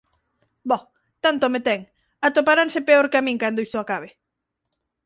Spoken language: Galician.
Boh, tanto me ten: atoparanse peor ca min cando isto acabe.